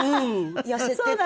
痩せてて。